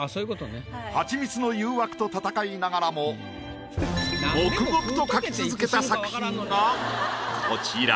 ハチミツの誘惑と戦いながらも黙々と描き続けた作品がこちら。